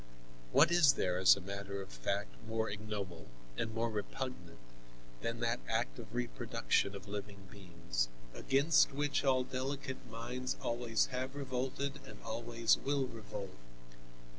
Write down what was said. What is there as a matter of fact more ignoble and more repugnant than that act of reproduction of living beings, against which all delicate minds always have revolted and always will revolt?